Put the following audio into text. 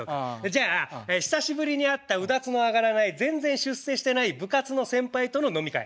じゃあ久しぶりに会ったうだつの上がらない全然出世してない部活の先輩との飲み会。